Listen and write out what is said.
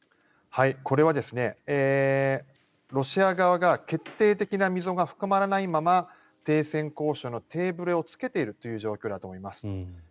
これはロシア側が決定的な溝が深まらないまま停戦交渉のテーブルに着けているという状況だと思います。